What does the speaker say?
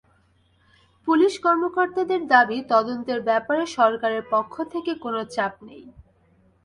Police কর্মকর্তাদের দাবি, তদন্তের ব্যাপারে সরকারের পক্ষ থেকে কোনো চাপ নেই।